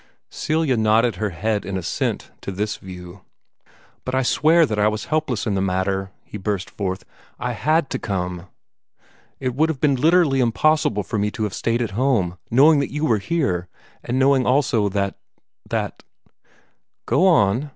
Celia nodded her head in assent to this view. "But I swear that I was helpless in the matter," he burst forth. "I HAD to come! It would have been literally impossible for me to have stayed at home, knowing that you were here, and knowing also that that " "Go on!"